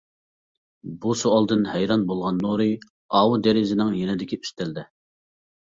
بۇ سوئالدىن ھەيران بولغان نۇرى: ئاۋۇ دېرىزىنىڭ يېنىدىكى ئۈستەلدە.